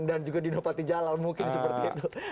dan juga di nopati jalau mungkin seperti itu